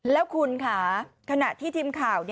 แล้วคุณค่ะขณะที่ทีมข่าว